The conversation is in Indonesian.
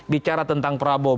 bicara tentang prabowo